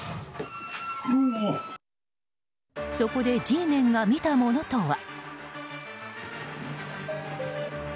そこでＧメンが見たものとは。